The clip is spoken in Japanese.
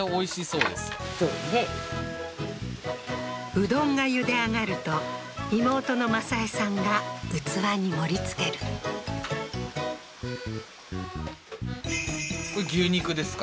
うどんがゆで上がると妹の正枝さんが器に盛りつけるこれ牛肉ですか？